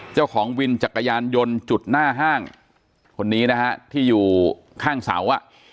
เจ้าของวินจักรยานยนต์จุดหน้าห้างคนนี้นะฮะที่อยู่ข้างเสาอ่ะ